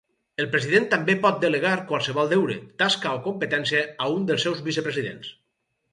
El president també pot delegar qualsevol deure, tasca o competència a un dels vicepresidents.